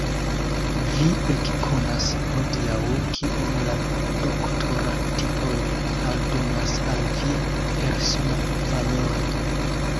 Vi ekkonas hodiaŭ, kiom la doktora titolo aldonas al via persona valoro!